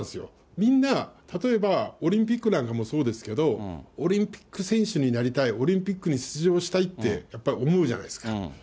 みんな、例えば、オリンピックなんかもそうですけど、オリンピック選手になりたい、オリンピックに出場したいって、やっぱり思うじゃないですか。